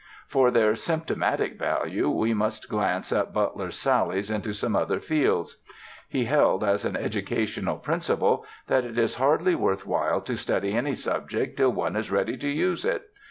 For their symptomatic value, we must glance at Butler's sallies into some other fields. He held as an educational principle that it is hardly worth while to study any subject till one is ready to use it.